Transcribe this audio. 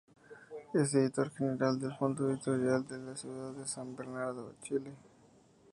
Es Editor General del Fondo Editorial de la ciudad de San Bernardo, Chile.